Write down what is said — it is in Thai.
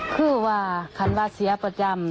คือว่าคันวาเสียประจำ